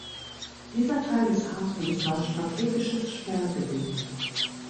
Dieser Teil des Hafens war strategisches Sperrgebiet.